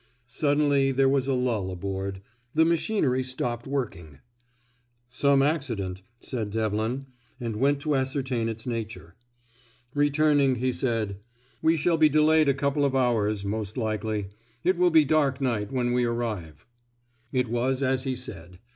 Suddenly there was a lull aboard. The machinery stopped working. "Some accident," said Devlin, and went to ascertain its nature. Returning, he said, "We shall be delayed a couple of hours, most likely. It will be dark night, when we arrive." It was as he said.